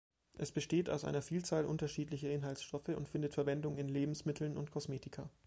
Es besteht aus einer Vielzahl unterschiedlicher Inhaltsstoffe und findet Verwendung in Lebensmitteln und Kosmetika.